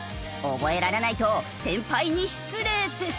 覚えられないと先輩に失礼です！